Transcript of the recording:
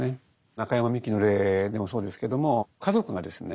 中山ミキの例でもそうですけども家族がですね